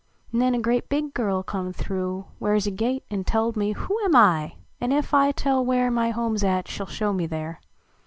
Xen a grea big girl come through Where s a gate, an telled me who Am T ? an ef I tell where My home s at she ll show me there.